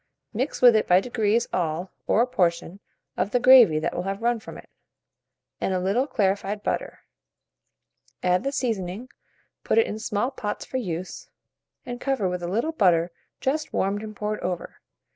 Mix with it by degrees all, or a portion, of the gravy that will have run from it, and a little clarified butter; add the seasoning, put it in small pots for use, and cover with a little butter just warmed and poured over.